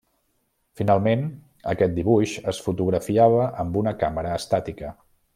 Finalment, aquest dibuix es fotografiava amb una càmera estàtica.